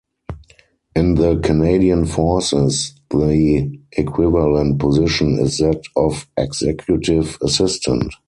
In the Canadian Forces, the equivalent position is that of executive assistant.